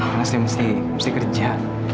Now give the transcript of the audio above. karena saya mesti kerja